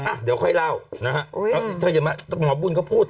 อ่ะเดี๋ยวค่อยเล่านะฮะเธออย่ามาหมอบุญเขาพูด